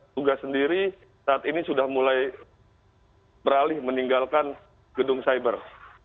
tugas sendiri saat ini sudah mulai beralih meninggalkan gedung cyber